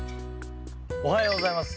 おはようございます。